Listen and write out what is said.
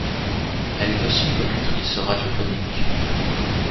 Elle est aussi locutrice radiophonique.